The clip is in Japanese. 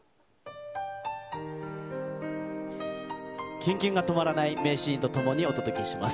キュンキュンが止まらない名シーンと共にお届けします。